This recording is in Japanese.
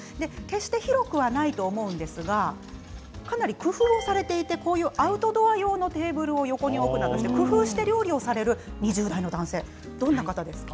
広くはないと思うんですがかなり工夫をされていてアウトドア用のテーブルを横に置くなど工夫をして料理をされる２０代の男性です。